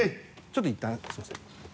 ちょっといったんすみません。